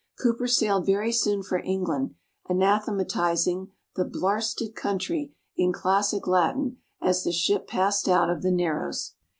Cooper sailed very soon for England, anathematizing "the blarsted country" in classic Latin as the ship passed out of the Narrows.